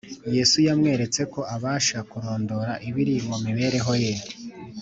Yesu yamweretse ko abasha kurondora ibiri mu mibereho ye